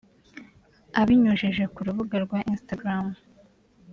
Abinyujije ku rubuga rwa Instagram